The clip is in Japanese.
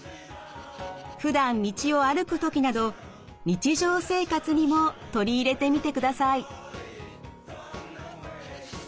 ふだん道を歩く時など日常生活にも取り入れてみてください。